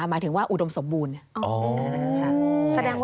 หมายถึงว่าอุดมสมบูรณ์